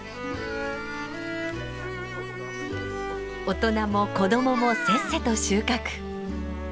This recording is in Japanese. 大人も子供もせっせと収穫。